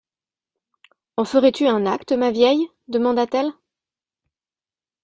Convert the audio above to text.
En ferais-tu un acte, ma vieille ? demanda-t-elle.